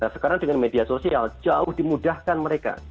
sekarang dengan media sosial jauh dimudahkan mereka